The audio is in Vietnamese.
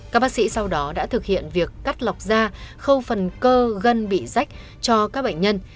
các bác sĩ sau đó đã thực hiện việc cắt lọc da khâu phần cơ gân bị rách cho các bệnh nhân